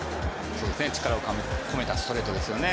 力を込めたストレートですよね。